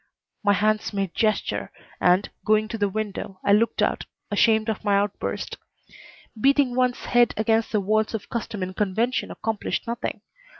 My hands made gesture, and, going to the window, I looked out, ashamed of my outburst. Beating one's head against the walls of custom and convention accomplished nothing.